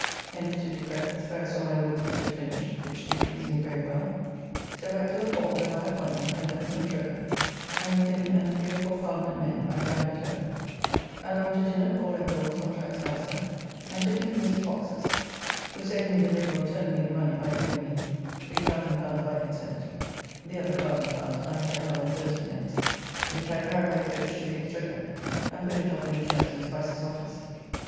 Hence to De Cretz, where I saw my Lord's picture finished, which do please me very well. So back to the Hall, where by appointment I met the Comptroller, and with him and three or four Parliament men I dined at Heaven, and after dinner called at Will's on Jack Spicer, and took him to Mr. Fox's, who saved me the labour of telling me the money by giving me; L3000 by consent (the other L1000 I am to have on Thursday next), which I carried by coach to the Exchequer, and put it up in a chest in Spicer's office.